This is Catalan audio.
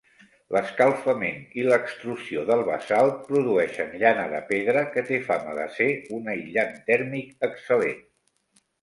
L'escalfament i l'extrusió del basalt produeixen llana de pedra, que té fama de ser un aïllant tèrmic excel·lent.